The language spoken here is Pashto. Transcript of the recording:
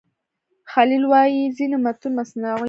خلیل وايي ځینې متون مصنوعي دي.